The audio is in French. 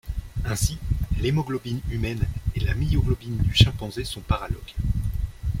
Ainsi, l'hémoglobine humaine et la myoglobine du chimpanzé sont paralogues.